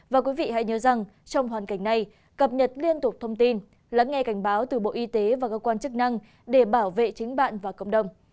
và quý vị hãy nhớ rằng trong hoàn cảnh này cập nhật liên tục thông tin lắng nghe cảnh báo từ bộ y tế và cơ quan chức năng để bảo vệ chính bạn và cộng đồng